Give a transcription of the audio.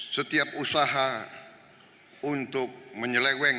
setiap usaha untuk menyeleweng